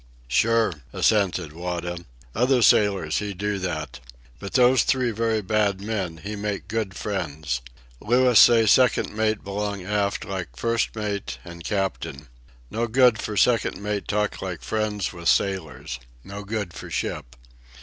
"Sure," assented Wada. "Other sailors he do that. But those three very bad men he make good friends. Louis say second mate belong aft like first mate and captain. No good for second mate talk like friend with sailors. No good for ship.